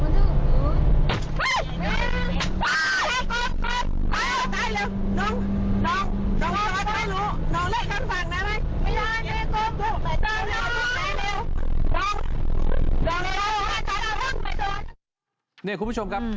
คุณผู้ชมครับ